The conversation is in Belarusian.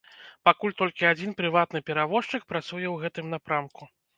Пакуль толькі адзін прыватны перавозчык працуе ў гэтым напрамку.